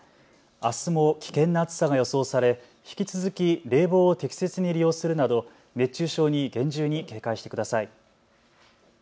あすも危険な暑さが予想され引き続き冷房を適切に利用するなど熱中症に厳重に警戒してください。